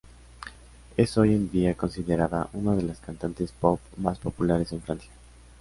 Es hoy en día considerada una de las cantantes pop más populares en Francia.